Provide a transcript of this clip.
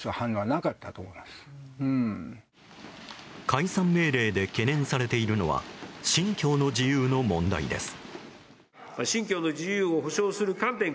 解散命令で懸念されているのは信教の自由の問題です。